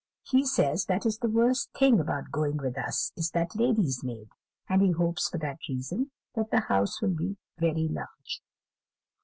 He says that the worst thing about going with us, is that lady's maid; and he hopes, for that reason, that the house will be very large."